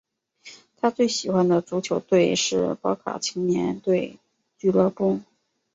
他最喜欢的足球队是博卡青年队俱乐部。